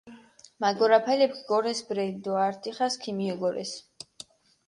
მაგორაფალეფქ გორეს ბრელი დო ართ დიხას ქიმიოგორეს.